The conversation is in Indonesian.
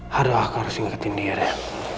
harusnya aku harus ngiketin dia deh